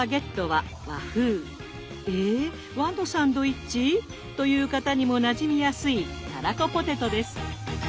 「エ！和のサンドイッチ？」という方にもなじみやすいたらこポテトです。